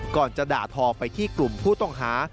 ก่อนจะด่าทอไปที่กลุ่มผู้ต้องหา